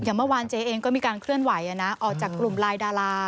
เมื่อวานเจ๊เองก็มีการเคลื่อนไหวออกจากกลุ่มไลน์ดารา